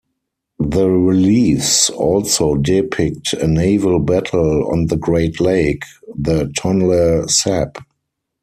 The reliefs also depict a naval battle on the great lake, the Tonle Sap.